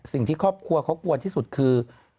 สิ่งที่ครอบครัวเขากลัวที่สุดคือ